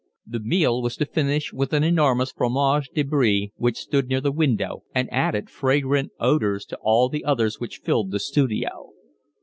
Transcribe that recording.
The meal was to finish with an enormous fromage de Brie, which stood near the window and added fragrant odours to all the others which filled the studio.